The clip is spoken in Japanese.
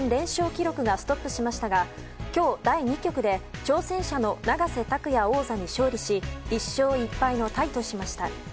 記録がストップしましたが今日、第２局で挑戦者の永瀬拓矢王座に勝利し１勝１敗のタイとしました。